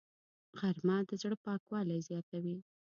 غرمه د زړه پاکوالی زیاتوي